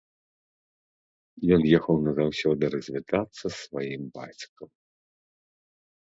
Ён ехаў назаўсёды развітацца з сваім бацькам.